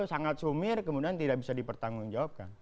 sangat sumir kemudian tidak bisa dipertanggungjawabkan